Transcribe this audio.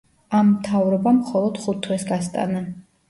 ამ მთავრობამ მხოლოდ ხუთ თვეს გასტანა.